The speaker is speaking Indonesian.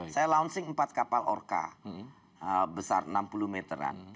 saya launching empat kapal orka besar enam puluh meteran